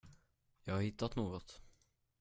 Jag har hittat något.